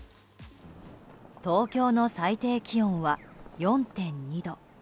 東京の最低気温は４．２度。